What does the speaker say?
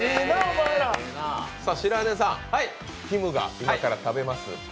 白根さん、きむが今から食べます。